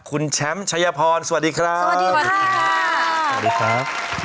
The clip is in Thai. คุณแชมป์ชัยพรสวัสดีครับสวัสดีครับสวัสดีครับ